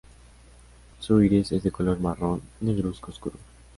Su iris es de color marrón negruzco oscuro.